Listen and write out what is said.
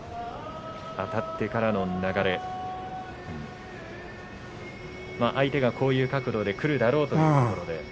あたってからの流れ相手がこういう角度で来るだろうということで。